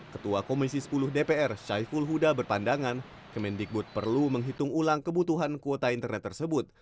ketua komisi sepuluh dpr syaiful huda berpandangan kemendikbud perlu menghitung ulang kebutuhan kuota internet tersebut